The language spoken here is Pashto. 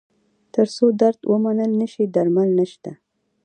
تر څو درد ومنل نه شي، درمل نشته.